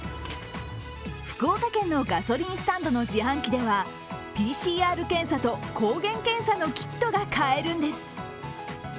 福岡県のガソリンスタンドの自販機ではＰＣＲ検査と抗原検査のキットが買えるんです。